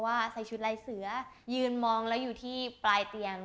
ใส่ชุดลายเสือยืนมองแล้วอยู่ที่ปลายเตียง